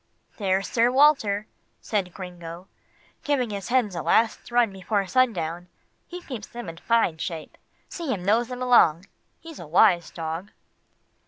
"There's Sir Walter," said Gringo, "giving his hens a last run before sundown. He keeps them in fine shape. See him nose them along. He's a wise dog."